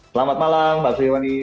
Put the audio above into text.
selamat malam mbak suyewani